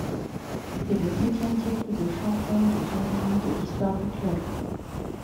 C'est le septième titre de champion de Jordanie de l'histoire du club.